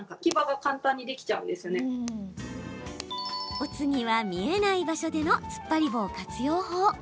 お次は見えない場所でのつっぱり棒活用法。